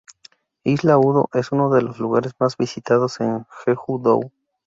Isla Udo es uno de los lugares más visitados en Jeju-do.